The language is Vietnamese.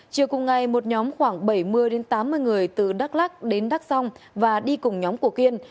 chiều cùng ngày một nhóm khoảng bảy mươi tám mươi người từ đắk lắc đến đắk xong và đi cùng nhóm của kiên